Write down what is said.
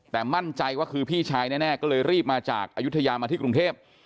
แต่มั่นใจว่าคือพี่ชายแน่ก็เลยรีบมาจากอายุทยามาที่กรุงเทพ